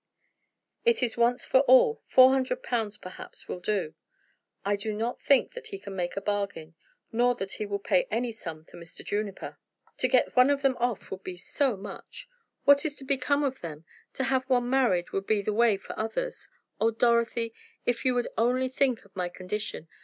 "It is once for all. Four hundred pounds, perhaps, would do." "I do not think that he can make a bargain, nor that he will pay any sum to Mr. Juniper." "To get one of them off would be so much! What is to become of them? To have one married would be the way for others. Oh, Dorothy, if you would only think of my condition!